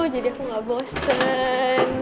jadi aku gak bosen